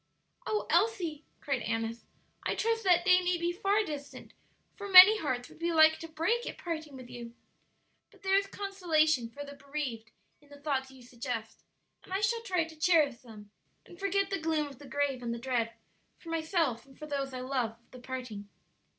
"O Elsie," cried Annis, "I trust that day may be far distant, for many hearts would be like to break at parting with you! But there is consolation for the bereaved in the thoughts you suggest; and I shall try to cherish them and forget the gloom of the grave and the dread, for myself and for those I love, of the parting."